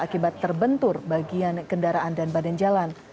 akibat terbentur bagian kendaraan dan badan jalan